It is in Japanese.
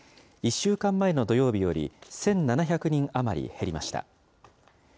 １週間前の土曜日より１７００人余り減りました。